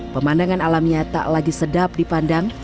pemandangan alamnya tak lagi sedap dipandang